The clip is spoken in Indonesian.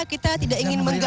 kita tidak ingin mengganggu